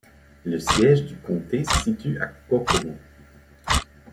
Le siège du comté se situe à Kokomo.